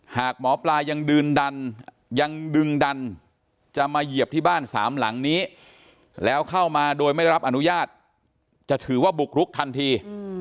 หากหมอปลายังยืนดันยังดึงดันจะมาเหยียบที่บ้านสามหลังนี้แล้วเข้ามาโดยไม่ได้รับอนุญาตจะถือว่าบุกรุกทันที